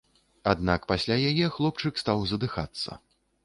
Аднак пасля яе хлопчык стаў задыхацца.